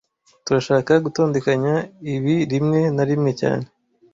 Turashaka gutondekanya ibi rimwe na rimwe cyane